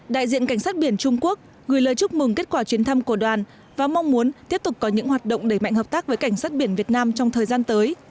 đại diện cảnh sát biển trung quốc gửi lời chúc mừng kết quả chuyến thăm của đoàn và mong muốn tiếp tục có những hoạt động đẩy mạnh hợp tác với cảnh sát biển việt nam trong thời gian tới